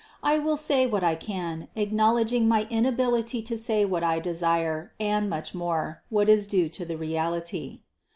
I will say what I can, acknowledging my inability to say what I desire, and much more, what is due to the reality.